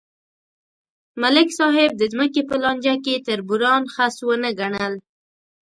ملک صاحب د ځمکې په لانجه کې تربوران خس ونه ګڼل.